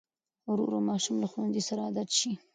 ورو ورو ماشوم له ښوونځي سره عادت شي.